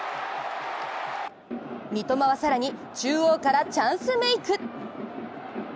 三笘は更に中央からチャンスメイク。